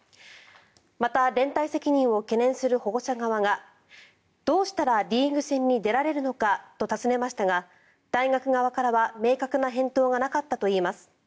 また、連帯責任を懸念する保護者側がどうしたらリーグ戦に出られるのかと尋ねましたが大学側からは明確な返答がなかったといいます。